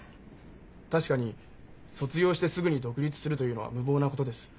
確かに卒業してすぐに独立するというのは無謀なことです。